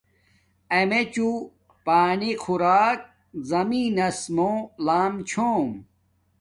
امیچوں پانی خوراک زمینس موہ لم چھوم